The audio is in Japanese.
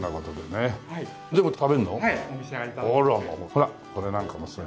ほらこれなんかもすごい。